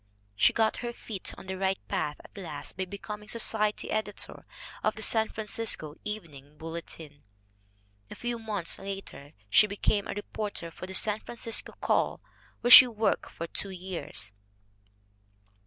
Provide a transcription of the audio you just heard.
She got her feet on the right path at last by becoming society editor of the San Francisco Evening Bulletin. A few months later she became a reporter for the San Francisco Call, where she worked for two years.